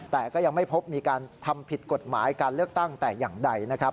แต่ก็ยังไม่พบมีการทำผิดกฎหมายการเลือกตั้งแต่อย่างใดนะครับ